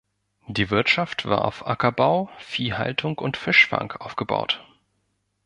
Die Wirtschaft war auf Ackerbau, Viehhaltung und Fischfang aufgebaut.